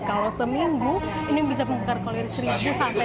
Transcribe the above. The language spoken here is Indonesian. kalau seminggu ini bisa memegar kalori seribu sampai tiga ribu